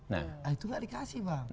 nah itu nggak dikasih bang